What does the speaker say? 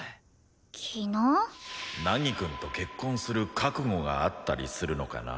凪くんと結婚する覚悟があったりするのかな？